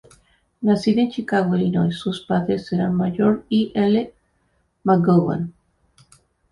Nacida en Chicago, Illinois, sus padres eran Major y L. McGowan.